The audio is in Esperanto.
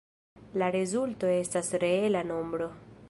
La rezulto estas reela nombro.